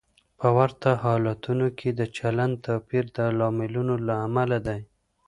په ورته حالتونو کې د چلند توپیر د لاملونو له امله دی.